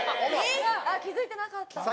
気づいてなかったんだ。